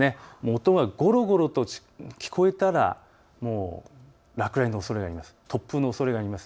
音がごろごろと聞こえたら落雷のおそれがあります。